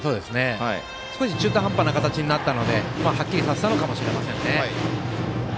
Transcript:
少し中途半端な形になったのではっきりさせたのかもしれません。